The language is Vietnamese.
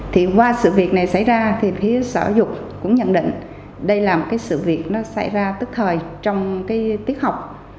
thì qua sự việc này xảy ra thì sở dục cũng nhận định đây là một sự việc xảy ra tức thời trong tuyết học